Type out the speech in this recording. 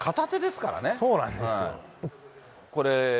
そうなんですよ。